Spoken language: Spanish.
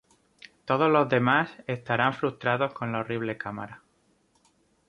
Todos los demás estarán frustrados con la horrible cámara.